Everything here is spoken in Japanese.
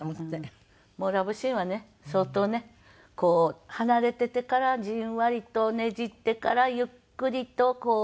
もうラブシーンはね相当ねこう離れていてからじんわりとねじってからゆっくりとこう。